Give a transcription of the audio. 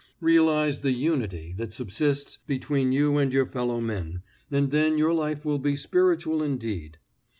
Realize the unity that subsists between you and your fellow men, and then your life will be spiritual indeed.